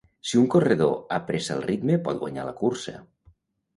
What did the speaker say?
Si un corredor apressa el ritme, pot guanyar la cursa.